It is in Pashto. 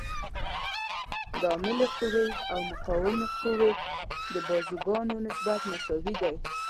د عاملې قوې او مقاومې قوې د بازوګانو نسبت مساوي دی.